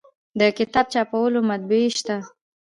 د کتاب چاپولو مطبعې شته